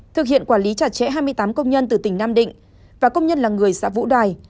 thực hiện quản lý trả trẻ hai mươi tám công nhân từ tỉnh nam định và công nhân là người xã vũ đoài